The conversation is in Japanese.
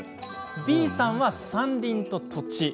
Ｂさんは山林と土地。